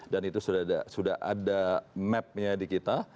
dan itu sudah ada mapnya di kita